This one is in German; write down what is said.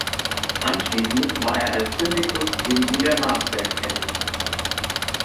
Anschließend war er als Syndikus in Niedermarsberg tätig.